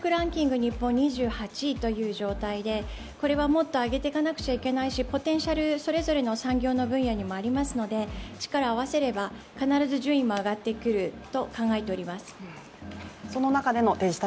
日本、２８位という状況でこれはもっと上げていかなくちゃいけないし、ポテンシャル、それぞれの産業の分野にもありますので力を合わせれば必ず順位も上がってくると考えております。